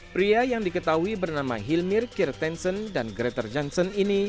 pria yang diketahui bernama hilmir kirtensen dan greta janssen ini